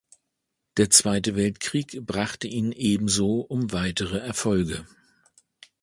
Der Zweite Weltkrieg brachte ihn ebenso um weitere Erfolge.